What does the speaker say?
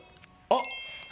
あっ！